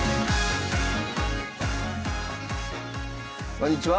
こんにちは。